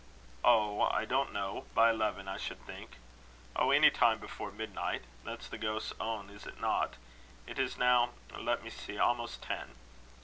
"Oh! I don't know. By eleven I should think. Oh! any time before midnight. That's the ghost's own, is it not? It is now let me see almost ten."